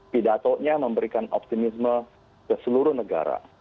pidatonya memberikan optimisme ke seluruh negara